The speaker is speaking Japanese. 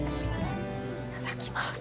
いただきます！